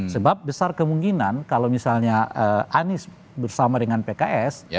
sebab besar kemungkinan kalau misalnya anies bersama dengan pks